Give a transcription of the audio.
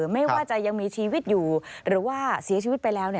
ไม่ว่าจะยังมีชีวิตอยู่หรือว่าเสียชีวิตไปแล้ว